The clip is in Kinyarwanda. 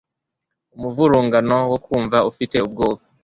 Umuvurungano wo kumva ufite ubwoba